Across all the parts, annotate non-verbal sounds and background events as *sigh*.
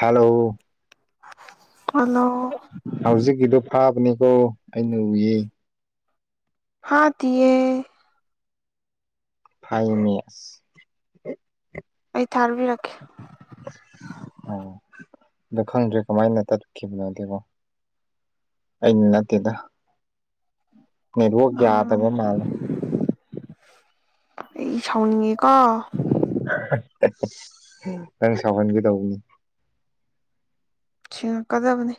hello hello ꯀꯅꯤꯀꯣ ꯑꯩꯅ ꯎꯏ ꯍꯥ ꯇꯦ ꯐꯥꯏ ꯃꯌꯥꯔꯁ ꯊꯌꯥꯔꯕꯤꯔꯈꯤꯦ ꯑꯣ ꯑ ꯈꯪꯗ꯭ꯔꯦ ꯀꯃꯥꯏꯅ ꯇꯠꯈꯤꯕꯅꯣ ꯑꯗꯨꯦꯕꯣ ꯑꯟꯅꯠꯇꯗ ꯕꯨ ꯌꯥꯗꯕ ꯃꯥꯂꯦ ꯑꯩ ꯁꯥꯎꯅꯤꯡꯉꯦꯀꯣ ꯁꯃꯥꯟꯒꯤꯗ ꯎꯅꯤ ꯁꯤꯉ ꯀꯗꯕꯅꯤ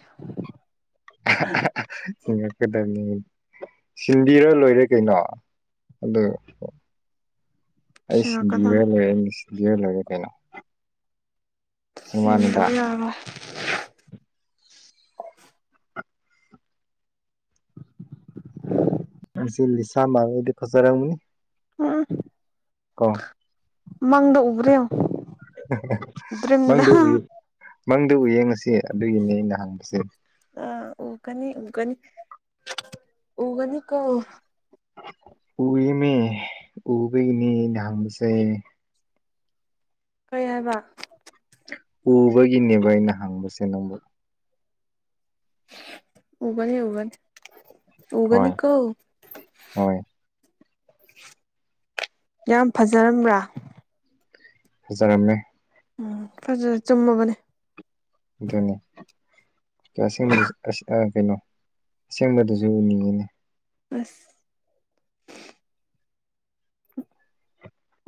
ꯀꯗ *unintelligible* ꯁꯤꯟꯕꯤꯔ ꯂꯣꯏꯔꯦ ꯀꯩꯅꯣ ꯑꯗꯨ ꯑꯩ ꯁꯤꯟꯔ ꯁꯤꯡꯉꯛꯀꯗꯕꯅꯤ ꯂꯩꯔꯦ ꯁꯤꯟꯕꯤꯔ ꯂꯩꯔꯦ ꯀꯩꯅꯣ ꯁꯤꯗ ꯃꯥꯅꯤꯗ ꯌꯥꯕ ꯁꯤ ꯂꯤꯁꯥ ꯃꯥꯗꯤ ꯐꯖꯔꯪꯅꯤ ꯑꯥ ꯀꯣ ꯃꯪꯗ ꯎꯕꯔ *unintelligible* ꯃꯪꯗꯨ ꯎ ꯃꯪꯗꯨ ꯎ ꯌꯦꯡꯉꯁꯤ ꯑꯗꯨꯒꯤꯅꯦ ꯑꯩꯅ ꯍꯪꯕꯁꯦ ꯑ ꯎꯒꯅꯤ ꯎꯒꯅꯤ ꯎꯒꯅꯤ ꯀꯣ ꯄꯨꯔꯤ ꯃ ꯎꯕꯤ ꯏꯅꯤ ꯙꯁꯦ ꯀꯩ ꯍꯥꯏꯕ ꯎꯕꯒꯤꯅꯦꯕ ꯑꯩꯅ ꯍꯪꯕꯁꯦ ꯅꯪꯕꯨ ꯎꯒꯅꯤ ꯎꯒꯅꯤ ꯍꯣꯏ ꯎꯒꯅꯤꯀꯣ ꯍꯣꯏ ꯌꯥꯝ ꯐꯖꯔꯝꯕ꯭ꯔꯥ ꯐꯖꯔꯝꯃꯦ ꯎꯝ ꯐꯖ ꯆꯨꯝꯃꯕꯅꯦ ꯑꯗꯨꯅꯤ ꯀꯁꯦꯡꯕꯗ ꯑꯁ ꯑ ꯀꯩꯅꯣ ꯁꯦꯡꯕꯗꯨꯖꯨ ꯎꯅꯤꯡꯉꯤꯅꯦ ꯑꯁ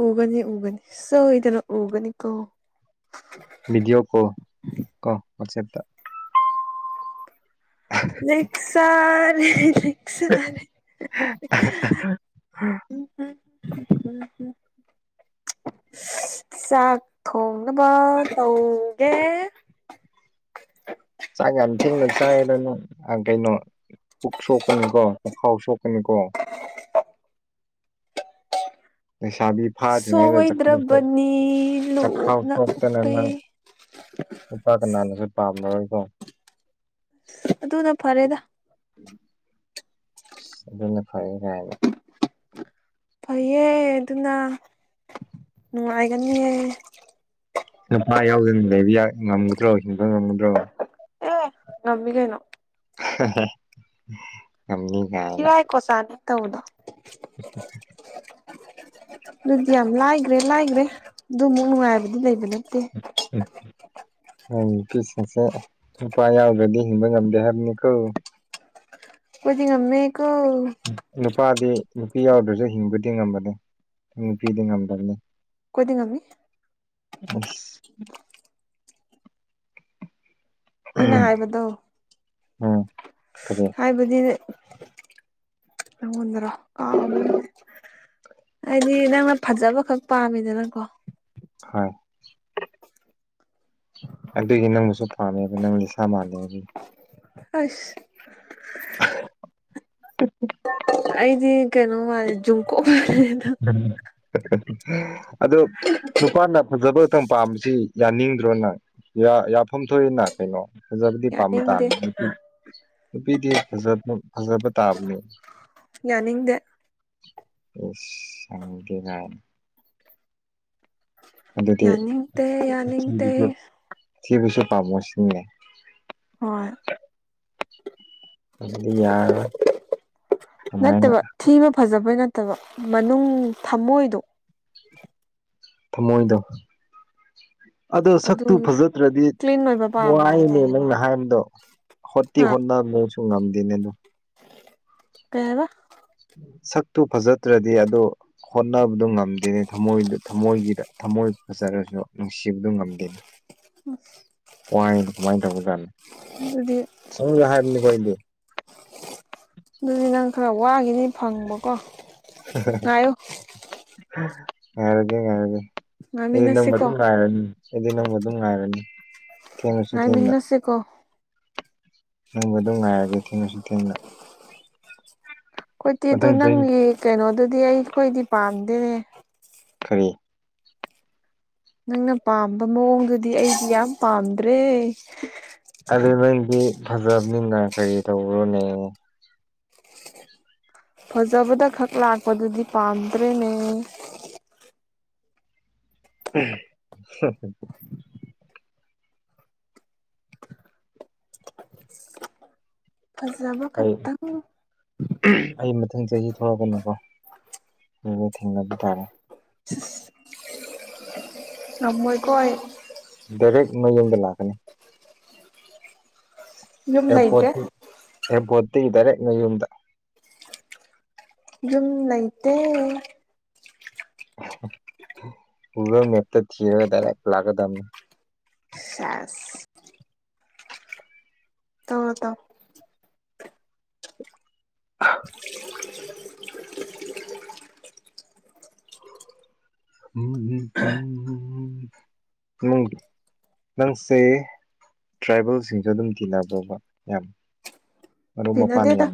ꯎꯒꯅꯤ ꯎꯒꯅꯤ ꯁꯣꯏꯗꯅ ꯎꯒꯅꯤ ꯀꯣ ꯕꯤꯗꯤꯑꯣ ꯀꯣꯜ ꯀꫭ ꯋꯥꯆꯦꯞꯇ ꯅꯦꯛ ꯁꯔꯦ ꯅꯦꯛ ꯁꯔꯦ ꯎꯝ ꯍ ꯎꯝ ꯍ ꯍ ꯏꯁ ꯆꯥꯛ ꯊꯣꯡꯅꯕ ꯇꯧꯒꯦ *unintelligible* ꯆꯥꯛ ꯌꯥꯝ ꯊꯦꯡꯅ ꯆꯥꯏꯔꯦꯗ ꯅꯪ ꯑ ꯀꯩꯅꯣ ꯄꯨꯛ ꯁꯣꯛꯄꯅꯤꯀꯣ ꯄꯨꯈꯥꯎ ꯁꯣꯛꯄꯅꯤꯀꯣ *inaudible* *unintelligible* ꯂꯩꯁꯥꯕꯤ ꯐꯥꯗꯤ ꯉꯩꯗ ꯆ ꯁꯣꯏꯗ꯭ꯔꯕꯅꯤ ꯆꯈꯥꯎ ꯂꯨꯞꯅ ꯁꯣꯛꯇꯅ ꯎꯞꯄꯦ ꯅꯪ ꯅꯨꯄꯥ ꯀꯅꯥꯅꯁꯨ ꯇꯥꯝꯅꯔꫭꯏꯀꯣ ꯏꯁ ꯑꯗꯨꯅ ꯐꯔꯦꯗ ꯏꯁ ꯑꯗꯨꯅ ꯐꯔꯦ ꯀꯥꯏꯅ ꯐꯩꯌꯦ ꯑꯗꯨꯅ ꯅꯨꯡꯉꯥꯏꯒꯅꯤꯌꯦ ꯅꯨꯄꯥ ꯌꯥꯎꯗꯅ ꯂꯩꯕ ꯌꯥ ꯉꯝꯒꯗ꯭ꯔꯣ ꯍꯤꯡꯕ ꯉꯝꯃꯗ꯭ꯔꯣ ꯑꯦ ꯉꯝꯃꯤꯀꯩꯅꯣ ꯍꯦ ꯍꯦ ꯉꯝꯅꯤ ꯀꯥꯏꯅ ꯇꯧ ꯕꯗꯣ ꯍꯦ ꯍꯦ ꯍꯦ ꯍꯦ ꯑꯗꯨꯗꯤ ꯌꯥꯝ ꯂꯥꯏꯒ꯭ꯔꯦ ꯂꯥꯏꯒ꯭ꯔꯦ ꯑꯗꯨꯃꯨꯛ ꯅꯨꯡꯉꯥꯏꯕꯗꯤ ꯂꯩꯕ ꯅꯠꯇꯦ ꯍꯦ ꯍꯦ ꯑꯪ ꯅꯨꯄꯤꯁꯤꯡꯁꯦ ꯅꯨꯄꯥ ꯌꯥꯎꯗ꯭ꯔꯗꯤ ꯍꯤꯡꯕ ꯉꯝꯗꯦ ꯍꯥꯏꯕꯅꯤꯀꯣ ꯑꯈꫭꯏꯗꯤ ꯉꯝꯃꯦ ꯅꯨꯄꯥꯗꯤ ꯅꯨꯄꯤ ꯌꯥꯎꯗ꯭ꯔꯖꯨ ꯍꯤꯡꯕꯗꯤ ꯉꯝꯕꯅꯦ ꯅꯨꯄꯤꯗꯤ ꯉꯝꯗꯕꯅꯦ ꯈꫭꯏꯗꯤ ꯉꯝꯃꯤ ꯑꯁ ꯑꯩꯅ ꯍꯥꯏꯕꯗꯣ ꯎꯝ ꯀꯔꯤ ꯍꯥꯏꯕꯗꯤ ꯅꯪꯉꫭꯟꯗꯔꫭ ꯀꯥꯎꯔꯦꯅꯦ ꯍꯥꯏꯗꯤ ꯅꯪꯅ ꯐꯖꯕ ꯈꯛ ꯄꯥꯝꯃꯤꯗꯅꯀꯣ ꯍꯥꯏ ꯑꯗꯨꯏ ꯅꯪꯁꯨ ꯄꯥꯝꯃꯦꯕ ꯅꯪꯗꯤ ꯁꯥꯥ ꯃꯥꯜꯂꯦ ꯑꯗꯨꯒꯤ ꯑꯁ ꯍ ꯑꯩꯗꯤ ꯀꯩꯅꯣ ꯃꯥꯜꯂꯦ ꯖꯨꯡꯀꯣꯛ ꯃꯥꯜꯂꯦꯗ ꯎꯝ ꯍꯥ ꯍꯥ ꯍꯥ ꯍꯥ ꯑꯗꯣ ꯅꯨꯄꯥꯅ ꯐꯖꯕ ꯇꯝ ꯄꯥꯝꯃꯤꯁꯤ ꯌꯥꯅꯤꯡꯗ꯭ꯔꯣꯅꯪ ꯌꯥ ꯌꯥꯐꯝ ꯊꯣꯛꯏꯅ ꯀꯩꯅꯣ ꯐꯖꯕꯗꯤ ꯄꯥꯝꯕ ꯌꯥꯅꯤꯡꯗꯦ ꯇꯥꯕꯅꯤ ꯅꯨꯄꯤ ꯅꯨꯄꯤꯗꯤ ꯐꯖ ꯐꯖꯕ ꯇꯥꯕꯅꯤ ꯅꯤꯡꯗꯦ ꯑꯁ ꯈꯪꯗꯦ ꯀꯥꯏꯅ ꯑꯗꯨꯗꯤ ꯌꯥꯅꯤꯡꯗꯦ ꯌꯥꯅꯤꯡꯗꯦ ꯁꯤꯕꯁꯨ ꯄꯥꯝꯃꯣ ꯁꯤꯅꯤꯅꯦ ꯍꯣꯏ ꯑꯗꯨꯗꯤ ꯌꯥꯔꯣꯏꯃꯥꯏ ꯅꯠꯇꯕ ꯊꯤꯕ ꯐꯖꯕꯩ ꯅꯠꯇꯕ ꯃꯅꯨꯡ ꯊꯝꯃꯣꯏꯗꯣ ꯊꯃꯣꯏꯗ ꯑꯗꯣ ꯑꯗꯨ ꯁꯛꯇꯨ ꯐꯖꯗ꯭ꯔꯗꯤ ꯀ꯭ꯂꯤꯟ ꯑꯣꯏꯕ ꯄꯥꯝꯕ ꯅꯨꯡꯉꯥꯏꯅꯦ ꯍꯥꯏꯇꯥꯔꯦꯀꯣ ꯅꯪꯅ ꯍꯥꯏꯝꯕꯗꯣ ꯍꯣꯠꯇꯤ ꯍꯣꯠꯅ ꯃꯨꯁꯨ ꯉꯝꯗꯦꯅꯦ ꯑꯗꯨ ꯀꯔ ꯁꯛꯇꯨ ꯐꯖꯗ꯭ꯔꯗꯤ ꯑꯗꯨꯗ ꯍꯣꯠꯅꯕꯗꯨꯣ ꯉꯝꯗꯦꯅꯦ ꯊꯃꯣꯏ ꯊꯃꯣꯏꯒꯤꯗ ꯊꯃꯣꯏ ꯐꯖꯔꯁꯨ ꯅꯨꯡꯁꯤꯕꯗꯨ ꯉꯝꯗꯦꯅ ꯎꯝ ꯋꯥꯏꯅꯦ ꯀꯃꯥꯏꯅ ꯇꯧꯕꯖꯥꯠꯅꯣ ꯁꯗ ꯍꯥꯏꯕꯅꯤꯕꯣꯏꯗꯤ ꯑꯗꯨꯗꯤ ꯅꯪ ꯈꯔ ꯋꯥꯈꯤꯅꯤ ꯐꯪꯕꯀꯣ ꯉꯥꯏꯌꯨ ꯉꯥꯏꯔꯒꯦ ꯉꯥꯏꯔꯒꯦ ꯑꯩꯗꯤ ꯅꯪ ꯉꯥꯏꯃꯤꯟꯅꯁꯤꯀꯣ ꯃꯇꯨꯡ ꯂꯥꯛꯔꯅꯤ ꯍꯥꯏꯗꯤ ꯅꯪ ꯑꯗꯨꯝ ꯉꯥꯏꯔꯅꯤ ꯊꯦꯡꯉꯁꯨ ꯊꯦꯡꯅ ꯥꯏꯃꯤꯅꯁꯦ ꯀꯣ ꯅꯪꯕꯨ ꯑꯗꯨꯝ ꯉꯥꯏꯔꯒꯦ ꯊꯦꯡꯉꯁꯨ ꯊꯦꯡꯅ ꯍꯣꯏꯠꯇꯤ ꯑꯗꯨ ꯃꯊꯪ ꯆꯍꯤ ꯅꯪꯒꯤ ꯀꯩꯅꯣꯗꯨꯗꯤ ꯑꯩꯈꯣꯏꯗꯤ ꯄꯥꯝꯗꯦꯅꯦ ꯈꯔꯤ ꯅꯪꯅ ꯄꯥꯝꯕ ꯃꯑꯣꯡꯗꯨꯗꯤ ꯑꯩꯗꯤ ꯌꯥꯝ ꯄꯥꯝꯗ꯭ꯔꯦ ꯑꯗꯨ ꯅꯣꯏꯗꯤ ꯐꯖꯕꯅꯤꯅ ꯀꯔꯤ ꯇꯧꯔꯣꯅꯦ ꯐꯖꯕꯗ ꯈꯛ ꯂꯥꯛꯄꯗꯨꯗꯤ ꯄꯥꯝꯗ꯭ꯔꯦꯅꯦ *inaudible* ꯇꯕ ꯑꯩ ꯈꯞꯇꯕꯨ ꯑꯩ ꯃꯊꯪ ꯆꯍꯤ ꯊꯣꯛꯂꯛꯀꯅꯤꯀꯣ ꯑꯗꯨ ꯊꯦꯡꯅꯕ ꯇꯥꯔꯦ ꯑꯃꯣꯏ ꯀꯣꯏ ꯗꯥꯏꯔꯦꯛ ꯃꯌꯨꯝꯗ ꯂꯥꯛꯀꯅꯤ ꯌꯝꯅ ꯏꯗꯦ ꯑꯦꯕꯣꯠꯇ ꯏꯔ ꯅꯩꯌꯨꯟꯗ ꯑꯗꯨꯝ ꯂꯩꯇ ꯄꯨꯔꯣ ꯃꯇ ꯊꯒꯗꯔꯦ ꯂꯒꯗꯝꯅꯦ ꯁꯥꯁ ꯇꯔꯗ *inaudible* ꯎꯝ ꯍꯝ *inaudible* ꯅꯪꯁꯦ ꯇ꯭ꯔꯥꯏꯕꯦꯜꯁꯤꯡꯁꯨ ꯑꯗꯨꯝ ꯀꯤꯟꯅꯅꯕꯣꯕ ꯌꯥꯝ ꯑꯗꯨ ꯃꯄꯥꯟ ꯌꯥ ꯇꯤꯟꯅꯗꯦꯗ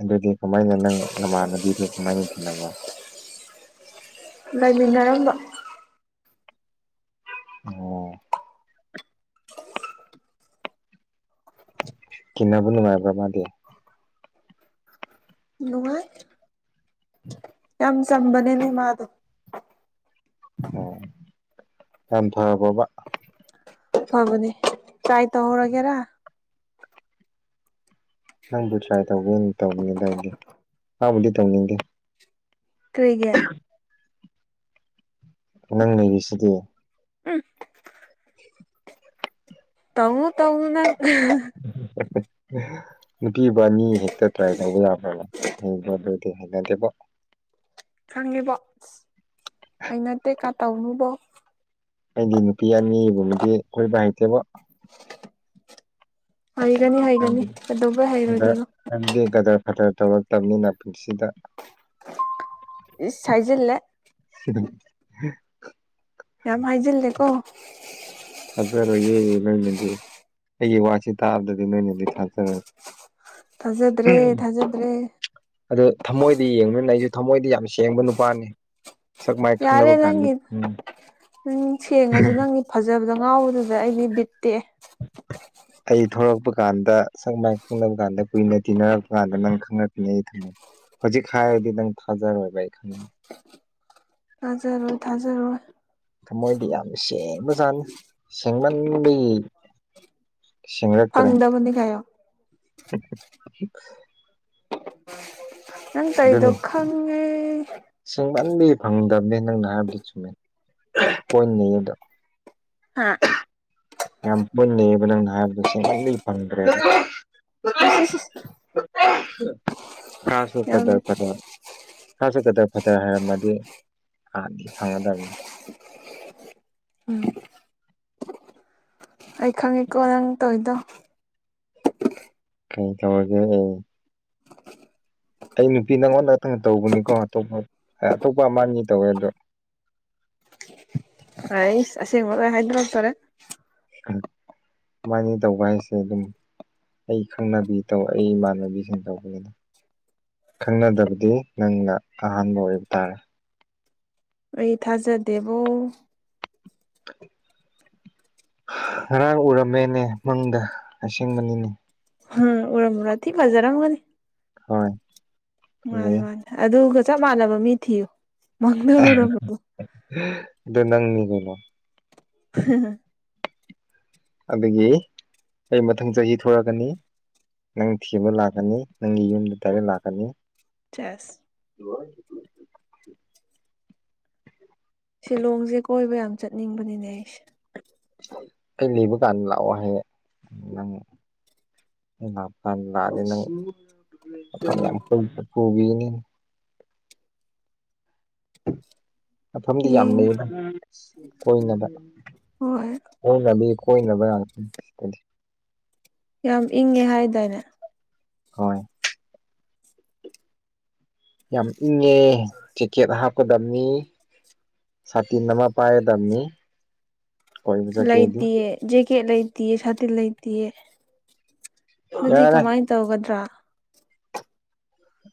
ꯑꯗꯨꯗꯤ ꯀꯃꯥꯏꯅ ꯅꯪ ꯅꯃꯥꯟꯅꯕꯤꯗꯨ ꯀꯃꯥꯏꯅ ꯊꯤꯅꯕ ꯂꯩꯃꯤꯟꯅꯔꯝꯕ ꯑꯣ ꯀꯟꯅꯕꯨꯅꯅꯨꯡꯃꯥꯏꯕ꯭ꯔꯃꯗꯤ ꯅꯨꯡꯉꯥꯏ ꯌꯥꯝ ꯆꯝꯕꯅꯦ ꯅ ꯃꯥꯗ ꯑꯣ ꯌꯥꯝꯝ ꯊꯔꯕꯕꯥ ꯐꯕꯅꯤ ꯆꯥꯏ ꯇꯍꯔꯒꯦꯔ ꯅꯪꯕꯨ ꯇ꯭ꯔꯥꯏ ꯇꯧꯒꯦ ꯇꯧꯅꯤꯡꯉꯗꯏꯗ ꯃꯥꯕꯨꯗꯤ ꯇꯧꯅꯤꯡꯗꯦ ꯀꯔꯤꯒ ꯅꯪꯅꯦꯕꯤꯁꯤꯗꯤ ꯎꯝ ꯇꯧ ꯇꯧꯅ ꯅꯨꯄꯤꯕꯥ ꯑꯅꯤ ꯍꯦꯛꯇ ꯇ꯭ꯔꯥꯏꯅ ꯇꯧꯕ ꯌꯥꯈ꯭ꯔꯕ ꯍꯌꯦꯕ ꯑꯗꯨꯑꯣꯗꯤ ꯍꯅꯖꯕ ꯈꯪꯉꯤꯕꯣ ꯑꯁ ꯑ ꯅꯠꯇꯦꯀꯥ ꯇꯧꯅꯨꯕꯣ ꯑꯩꯗꯤ ꯅꯨꯄꯤ ꯑꯅꯤꯒꯨꯝꯕꯗꯤ ꯑꯩꯣꯏꯕ ꯍꯩꯇꯦꯕ ꯍꯩꯒꯅꯤ ꯍꯩꯒꯅꯤ ꯌꯥꯝ ꯀꯗꯧꯕ ꯍꯥꯏꯩꯔꯣꯏꯗꯅꯣ ꯈꯇꯔ ꯇꯧꯔꯛꯇꯕꯅꯤꯅ ꯄꯨꯟꯁꯤꯗ ꯆꯥꯏꯖꯦ ꯁꯤꯗ ꯌꯥꯝ ꯍꯥꯏꯖꯤꯜꯂꯦꯀꯣ ꯊꯥꯖꯔꯣꯏꯌꯦꯦ ꯅꯣꯏꯅꯗꯤ ꯑꯩꯒꯤ ꯋꯥꯥꯛꯁꯤ ꯇꯥꯕꯗꯗꯤ ꯅꯣꯏꯅꯗꯤ ꯊꯥꯖꯔꯦ ꯊꯥꯖꯗ꯭ꯔꯦ ꯊꯥꯖꯗ꯭ꯔꯦ ꯑꯗꯨ ꯊꯃꯣꯏꯗꯤ ꯌꯦꯡꯕ ꯂꯩꯁꯨ ꯊꯃꯣꯏꯗ ꯌꯥꯝ ꯁꯦꯡꯕ ꯅꯨꯄꯥꯅꯤ ꯁꯛ ꯃꯥꯏ ꯌꯥꯔꯦ ꯈꯪꯅꯕ ꯀꯥꯟꯗ ꯅꯪꯒꯤ ꯎꯝ ꯅꯪ ꯁꯦꯡꯉꯁꯨ ꯅꯪꯒꯤ ꯐꯖꯕ ꯉꯥꯎꯕꯗꯨꯗ ꯑꯩꯗꯤ ꯕꯤꯠꯇꯦ ꯑꯩ ꯊꯂꯛꯄ ꯀꯥꯟꯗ ꯁꯪꯃꯥꯏꯅ ꯈꯪꯅꯕ ꯀꯥꯟꯗ ꯀꯨꯏꯅ ꯇꯤꯟꯅꯔꯛꯄ ꯀꯥꯟꯗ ꯅꯪ ꯈꯪꯉꯛꯛꯇꯅꯦ ꯑꯩ ꯊꯝꯦ ꯍꯧꯖꯤꯛ ꯍꯥꯏꯔꯗꯤ ꯅꯪ ꯊꯥꯖꯔꯣꯏꯕ ꯑꯩ ꯈꯪꯉꯦ ꯍꯖꯔꯣꯏ ꯊꯥꯖꯔꯣꯏ ꯊꯃꯣꯏꯗꯤ ꯌꯥꯝ ꯁꯦꯡꯕꯖꯥꯠꯅꯤ ꯁꯦꯡꯃꯟꯕꯒꯤ ꯁꯦꯡꯔꯛꯇ꯭ꯔꯦ ꯑꯪꯗꯕꯅꯤ ꯀꯣ *unintelligible* ꯅꯪ ꯇꯧꯔꯤꯗꯣ ꯑꯗꯨꯅꯤ ꯈꯪꯉꯦ ꯁꯦꯡꯃꯟꯗꯤ ꯐꯪꯗꯕꯅꯤ ꯅꯪꯅ ꯍꯥꯏꯕꯗꯤ ꯆꯨꯝꯃꯦ ꯄꯣꯏꯟ ꯅꯗ ꯍꯥ ꯌꯥꯝ ꯄꯨꯟꯅꯟꯅꯑꯕ ꯅꯪꯅ ꯍꯥꯏꯕꯗꯁꯦꯡ ꯉꯗꯤ ꯐꯪꯗ꯭ꯔꯦ *unintelligible* ꯍꯥꯥ ꯁ ꯐ ꯌꯥꯝ ꯗꯔꯀꯔ ꯍꯁꯨ ꯈꯗ ꯐꯠꯇ꯭ꯔ ꯍꯥꯏꯔꯝꯃꯗꯤ ꯍꯥꯟꯗꯤ ꯐꯪꯒꯗꯕꯅꯤ ꯑꯩ ꯈꯪꯉꯤꯀꯣ ꯅꯪ ꯇꯧꯔꯤꯗꯣ ꯀꯩ ꯊꯃꯒꯦ ꯑꯩ ꯅꯨꯄꯤ ꯅꯪꯉꯣꯟꯗꯛꯇꯪ ꯇꯧꯕꯅꯤꯀꯣ ꯑꯇꯣꯞꯄ ꯑꯇꯣꯞꯄ ꯑꯃ ꯇꯧꯋꯦ ꯑꯗꯣ ꯑꯩ ꯑꯁꯤꯁꯦꯡ ꯍꯥꯏꯗ꯭ꯔꯕꯥꯗ ꯐꯔꯦ ꯑꯗꯨꯃꯥꯏꯅ ꯇꯧꯕ ꯍꯥꯏꯁꯦ ꯑꯗꯨꯝ ꯑꯩ ꯈꯪꯅꯕꯤ ꯇꯧ ꯑꯩ ꯏꯃꯥꯟꯅꯕꯤꯁꯤꯡ ꯇꯧꯕꯅꯤꯅ ꯈꯪꯅꯗꯕꯗꯤ ꯅꯪꯅ ꯑꯍꯥꯟꯕ ꯑꯣꯏꯕ ꯇꯥꯔꯦ ꯑꯩ ꯊꯥꯖꯗꯦꯕꯣ *unintelligible* ꯉꯔꯥꯡ ꯎꯔꯝꯃꯦꯅꯦ ꯃꯪꯗ ꯑꯁꯁꯤꯡꯕꯅꯤꯅꯦ ꯍꯝ ꯎꯔꯃꯔ ꯊꯤ ꯍꯖꯔ ꯃꯒꯗꯤ ꯍꯣꯏ ꯃꯥꯅꯤ ꯐꯖꯩ ꯃꯥꯅꯤ ꯑꯗꯨꯒ ꯆꯞ ꯃꯥꯟꯅꯕ ꯃꯤ ꯊꯤꯌꯨ ꯃꯥꯡꯗꯍꯔꯕꯣ ꯗꯅꯪꯅꯤꯒꯩꯅꯣ ꯑ ꯑꯗꯨꯗꯒꯤ ꯑꯩ ꯃꯊꯪ ꯆꯍꯤ ꯊꯣꯛꯂꯛꯀꯅꯤ ꯅꯪ ꯊꯤꯕ ꯂꯥꯛꯀꯅꯤ ꯅꯪꯒꯤ ꯌꯨꯝꯗ ꯇꯥꯏꯕ ꯂꯥꯛꯀꯅꯤ ꯆꯁ *unintelligible* ꯁꯤꯂꯣꯡꯁꯦ ꯀꯣꯏꯕ ꯌꯥꯝ ꯆꯠꯅꯤꯡꯕꯅꯤꯅꯦ ꯑꯩꯁ ꯑꯩ ꯂꯩꯕ ꯀꯥꯟꯗ ꯂꯥꯛꯑꯣ ꯍꯥꯏꯌꯦꯡ ꯅꯪ ꯂꯥꯛꯄ ꯂꯅꯪ ꯌꯥꯝ ꯀꯣꯏꯄ ꯎꯒꯅꯦ ꯃꯐꯝꯗꯤ ꯌꯥꯝ ꯌꯦꯡ ꯂꯩꯌꯦꯅ ꯀꯣꯏꯅꯕ ꯍꯣꯏ ꯀꯣꯏꯅꯕꯤ ꯀꯣꯏꯅꯕꯗꯤ ꯌꯥꯝ ꯏꯪꯉꯦ ꯍꯥꯏꯗꯥꯏꯅꯦ ꯍꯣꯏ ꯌꯥꯝ ꯏꯪꯉꯦ ꯆꯤꯀꯦꯠ ꯍꯥꯞꯀꯗꯕꯅꯤ ꯁꯥꯇꯅꯃ ꯄꯌꯦꯗꯝꯅꯤ ꯂꯩꯇꯦ ꯦꯛꯀꯦꯠ ꯂꯩꯇꯦ ꯁꯥꯇꯤ ꯂꯩꯇꯦ ꯑꯗꯨꯗꯤ ꯌꯥꯔꯦ ꯀꯃꯥꯏꯅ ꯇꯧꯒꯗ꯭ꯔꯥ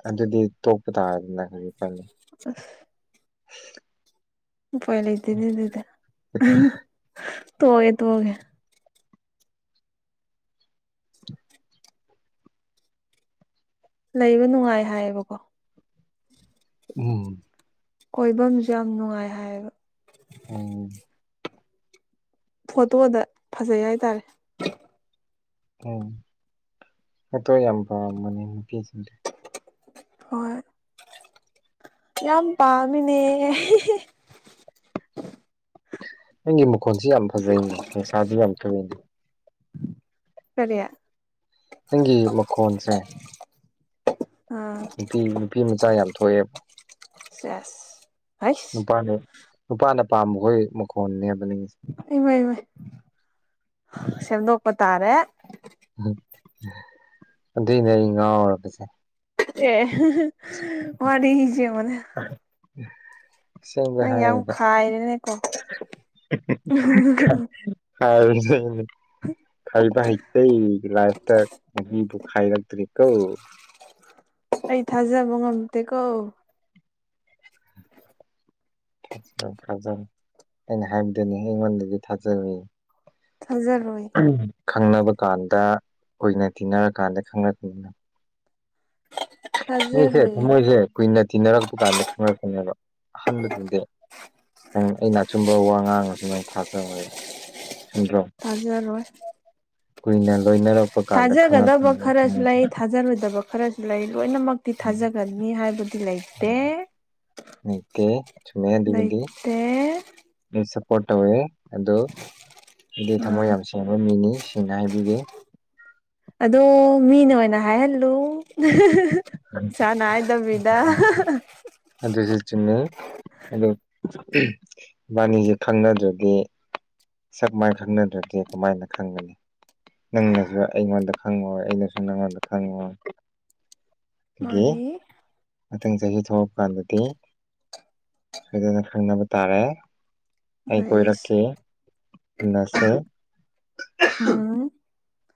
ꯑꯗꯨꯗꯤ ꯇꯣꯛꯄ ꯇꯥꯔꯗꯅ ꯈꯖꯤ ꯐꯅꯤ ꯑ *unintelligible* ꯎ ꯐꯣꯏ ꯂꯩꯗꯗꯤꯗꯗꯦ ꯇꯣꯒꯦ ꯇꯣꯒꯦ ꯂꯩꯕ ꯅꯨꯡꯉꯥꯏ ꯍꯥꯏꯌꯦꯕꯀꯣ ꯎꯝ ꯑꯣꯏꯕ ꯑꯃꯁꯁꯨ ꯌꯥꯝ ꯅꯨꯡꯉꯥꯏ ꯍꯥꯏꯌꯦꯕ ꯎꯝ ꯐꯣꯇꯣꯗ ꯐꯖꯩ ꯍꯥꯏꯇꯥꯔꯦ ꯎꯝ ꯑꯇ ꯌꯥꯝ ꯄ ꯃꯅꯤ ꯀ ꯍꯣꯏ ꯌꯥꯝ ꯄꯥꯝꯅꯦ ꯑꯩꯪꯒꯤ ꯃꯈꯣꯟꯁꯤ ꯌꯥꯝ ꯐꯖꯩꯅꯦ ꯅꯨꯡꯁꯥꯗꯨ ꯌꯥꯝ ꯊꯨꯏꯅꯦ ꯀꯔꯤ ꯅꯪꯒꯤ ꯃꯈꯣꯟꯁꯦ ꯑꯥ ꯅꯨꯄꯤ ꯅꯨꯄꯤ ꯃꯆꯥ ꯌꯥꯝ ꯊꯣꯛꯑꯦꯕ ꯀ꯭ꯂꯁ ꯅꯨꯄꯥꯅꯦ ꯅꯨꯄꯥꯅ ꯄꯥꯝꯕꯈꯣꯏ ꯃꯈꯣꯟꯅꯦ ꯏꯃꯦ ꯏꯃꯦ ꯆꯝꯗꯣ ꯑꯣꯄ ꯇꯥꯔꯦ ꯑꯗꯨꯏꯅꯦ ꯑꯩ ꯉꯥꯎꯔꯕꯁꯦ ꯑꯦ ꯃꯥꯔꯤ ꯏꯁ ꯃꯅꯦ ꯁꯦꯝꯕ ꯍꯥꯏ ꯈꯥꯏꯔꯦꯅꯦꯀꯣ ꯀ *unintelligible* ꯈꯥꯏꯔꯤꯕ ꯍꯥꯏꯇ ꯂꯥꯏꯐꯇ ꯈꯥꯏꯅ ꯇ꯭ꯔꯤꯛꯀꯧ ꯑꯩ ꯊꯥꯖꯥꯕꯉꯝ ꯇꯀꯣ ꯊ ꯊꯥꯖ ꯑꯩꯅ ꯍꯥꯏꯕꯗꯅꯤ ꯑꯩꯉꯣꯟꯗꯗꯤ ꯊꯥꯖꯔ ꯊꯥꯖꯔꯣꯏ ꯈꯪꯅꯕ ꯀꯥꯟꯗ ꯑꯣꯏꯅ ꯇꯤꯟꯅꯔꯀꯥꯟꯗ ꯈꯪꯄꯅꯤꯅ ꯃꯤꯁꯦ ꯊꯥꯖꯔꯣꯏ ꯊꯝꯃꯣꯏꯁꯦ ꯀꯨꯏꯅ ꯇꯤꯟꯅꯔꯛꯄ ꯀꯥꯟꯗ ꯈꯪꯅꯔꯀꯅꯦꯕ ꯑꯍꯥꯟꯕꯗꯗꯤ ꯅꯪ ꯑꯩꯅ ꯑꯆꯨꯝꯕ ꯋꯥ ꯉꯥꯡꯉꯁꯨ ꯅꯪ ꯊꯥꯖꯣꯏꯕ ꯇꯖꯔꯣꯏ ꯀꯨꯏꯅ ꯂꯣꯏꯅꯔꯛꯄ ꯀꯥꯟꯗ ꯊꯥꯖꯒꯗꯕ ꯈꯪꯉꯛꯄꯅꯤ ꯈꯔꯁꯨ ꯂꯩ ꯊꯥꯖꯔꯣꯏꯗꯕ ꯈꯔꯁꯨ ꯂꯩ ꯂꯣꯏꯅꯃꯛꯇꯤ ꯊꯥꯖꯒꯅꯤ ꯍꯥꯏꯕꯗꯤ ꯂꯩꯇꯦ ꯃꯠꯇꯦ ꯆꯨꯃꯦ ꯑꯗꯨꯕꯨꯗꯤ ꯑꯦ ꯑꯩ ꯁꯞꯄꯣꯔꯠ ꯇꯧꯋꯦ ꯑꯗꯨꯣ ꯑꯩꯗꯤ ꯊꯃꯣꯏ ꯑꯥ ꯌꯥꯝ ꯁꯦꯡꯕ ꯃꯤꯅꯤ ꯁꯤ ꯉꯥꯏꯕꯤꯔ ꯑꯗꯣ ꯃꯤꯅ ꯑꯣꯏꯅ ꯍꯥꯏꯍꯜꯂꯨ ꯆꯥꯟ ꯍꯥꯏꯗꯕꯕꯤꯗ ꯆꯨꯝꯃꯦ ꯑꯕꯥꯅꯤꯁꯦ ꯈꯪꯅꯗ꯭ꯔꯗꯤ ꯁꯞꯃꯥꯏꯅ ꯈꯪꯅꯗ꯭ꯔꯗꯤꯦ ꯀꯃꯥꯏꯅ ꯈꯪꯒꯅꯤ ꯅꯪꯅꯁꯨ ꯑꯩꯉꯣꯟꯗ ꯈꯪꯉꯣꯏ ꯑꯩꯅꯁꯨ ꯅꯪꯉꯣꯟꯗ ꯈꯪꯉꯣꯏ ꯑꯗꯒꯤ ꯃꯥꯅꯤ ꯃꯊꯪ ꯆꯍꯤ ꯊꯣꯛꯂꯛ ꯀꯥꯟꯗꯗꯤ ꯁꯣꯏꯗꯅ ꯈꯪꯅꯕ ꯇꯥꯔꯦ ꯑꯩ ꯑꯩꯁ ꯀꯣꯏꯔꯛꯀꯦ ꯎꯅꯁꯦ ꯎꯝ